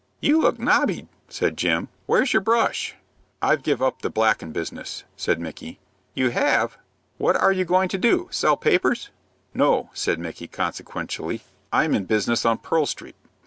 "You look nobby," said Jim. "Where's your brush?" "I've give up the blackin' business," said Micky. "You have? What are you going to do? Sell papers?" "No," said Micky, consequentially. "I'm in business on Pearl Street."